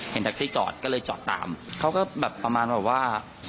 แท็กซี่จอดก็เลยจอดตามเขาก็แบบประมาณแบบว่า